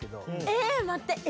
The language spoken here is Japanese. えっ、待って。